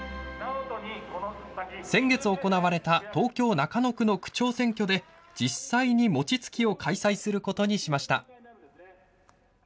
先月、行われた東京・中野区の区長選挙で実際に餅つきを開催することにしました。